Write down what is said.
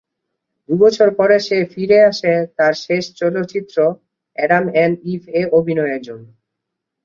দু’বছর পরে সে ফিরে আসে তার শেষ চলচ্চিত্র, অ্যাডাম এন্ড ইভ এ অভিনয়ের জন্য।